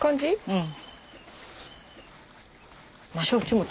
うん。